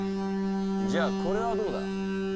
じゃあこれはどうだ？